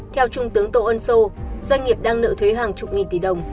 theo trung tướng tô ân sô doanh nghiệp đang nợ thuế hàng chục nghìn tỷ đồng